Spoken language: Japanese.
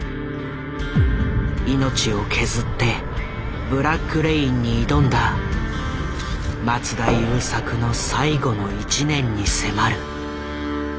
命を削って「ブラック・レイン」に挑んだ松田優作の最後の１年に迫る。